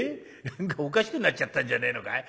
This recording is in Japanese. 何かおかしくなっちゃったんじゃねえのかい？